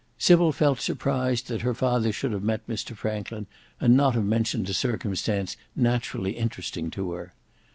Sybil felt surprised that her father should have met Mr Franklin and not have mentioned a circumstance naturally interesting to her.